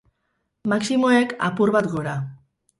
Maximoek, apur bat gora.